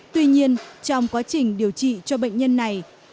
tuy nhiên trong quá trình điều trị cho bệnh nhân này